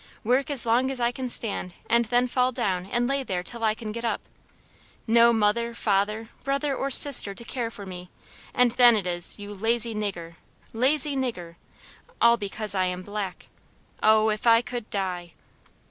Work as long as I can stand, and then fall down and lay there till I can get up. No mother, father, brother or sister to care for me, and then it is, You lazy nigger, lazy nigger all because I am black! Oh, if I could die!'